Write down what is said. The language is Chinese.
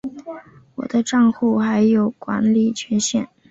我的帐户还有管理权限